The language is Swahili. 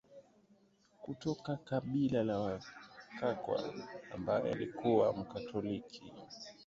kutoka kabila la Wakakwa ambaye alikuwa Mkatoliki